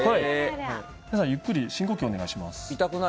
ゆっくり深呼吸お願いします。